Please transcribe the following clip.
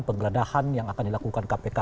penggeledahan yang akan dilakukan kpk